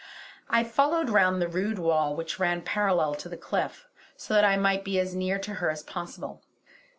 I followed round the rude wall which ran parallel to the cliff, so that I might be as near to her as possible.